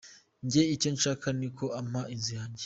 Njye icyo nshaka ni uko ampa inzu yanjye.